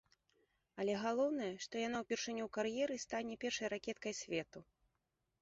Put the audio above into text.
Але галоўнае, што яна ўпершыню ў кар'еры стане першай ракеткай свету.